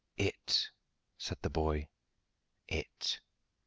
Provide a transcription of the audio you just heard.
"It," said the boy. It.